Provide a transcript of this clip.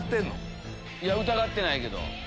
いや疑ってないけど。